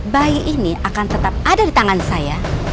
bayi ini akan tetap ada di tangan saya